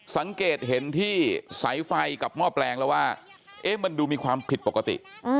สังเกตเห็นที่สายไฟกับหม้อแปลงแล้วว่ามันดูมีความผิดปกติ